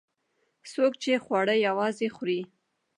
څوک چې خواړه یوازې خوري.